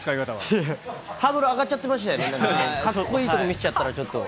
ハードル上がっちゃってましたよね、かっこいいとこ見せちゃったら、ちょっと。